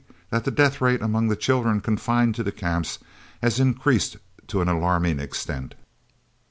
That the death rate among the children confined to the Camps has increased to an alarming extent.